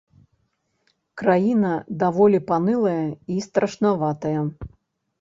Краіна даволі панылая і страшнаватая.